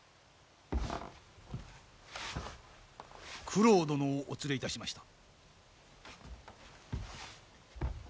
九郎殿をお連れいたしました。